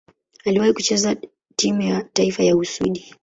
Aliwahi kucheza timu ya taifa ya Uswidi.